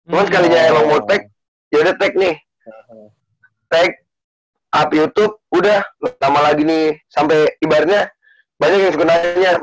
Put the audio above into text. cuman sekali aja mau tag yaudah tag nih tag up youtube udah lama lagi nih sampai ibaratnya banyak yang suka nanya